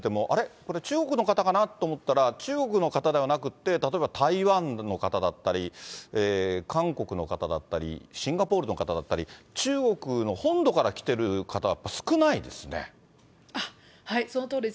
これ中国の方かなと思ったら、中国の方ではなくて、例えば、台湾の方だったり、韓国の方だったり、シンガポールの方だったり、中国の本土から来てる方、そのとおりです。